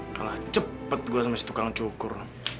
kalah cepat gue sama si tukang cukur